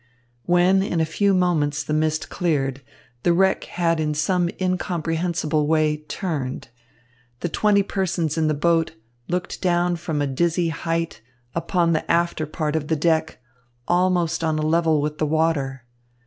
When, in a few moments, the mist cleared, the wreck had in some incomprehensible way turned. The twenty persons in the boat looked down from a dizzy height upon the after part of the deck, almost on a level with the water.